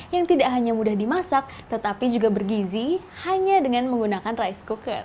yang tidak hanya mudah dimasak tetapi juga bergizi hanya dengan menggunakan rice cooker